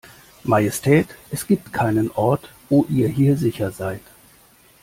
Majestät, es gibt keinen Ort wo ihr hier sicher seid.